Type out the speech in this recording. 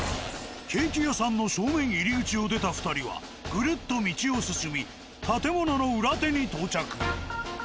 ケーキ屋さんの正面入り口を出た２人はぐるっと道を進み建物の裏手に到着。